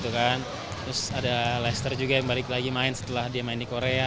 terus ada leicester juga yang balik lagi main setelah dia main di korea